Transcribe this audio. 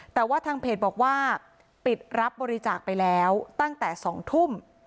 แต่ว่าทางเพจบอกว่าปิดรับบริจาคไปแล้วตั้งแต่๒ทุ่ม